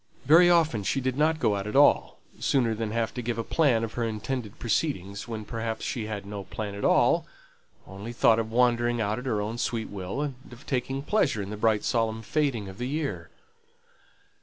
Very often she did not go out at all, sooner than have to give a plan of her intended proceedings, when perhaps she had no plan at all, only thought of wandering out at her own sweet will, and of taking pleasure in the bright solemn fading of the year.